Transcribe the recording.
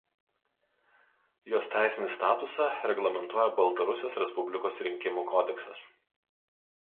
Jos teisinį statusą reglamentuoja Baltarusijos Respublikos rinkimų kodeksas.